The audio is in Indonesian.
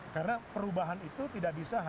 karena perubahan itu tidak bisa hanya ada di luar